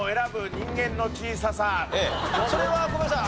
それはごめんなさい。